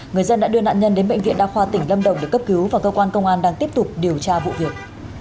người dân đã đưa nạn nhân đến bệnh viện đa khoa tỉnh lâm đồng để cấp cứu và cơ quan công an đang tiếp tục điều tra vụ việc